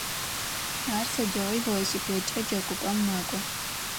Ар сыдигъуи велосипедкӏэ джэгупӏэм мэкӏо.